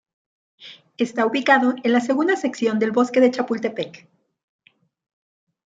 Está ubicado en la segunda sección del Bosque de Chapultepec.